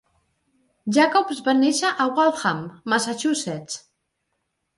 Jacobs va néixer a Waltham, Massachusetts.